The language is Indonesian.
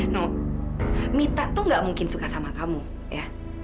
no mita tuh gak mungkin suka sama kamu ya